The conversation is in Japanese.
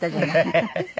ハハハハ！